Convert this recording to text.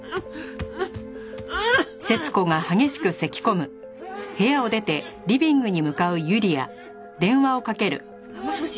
あっもしもし？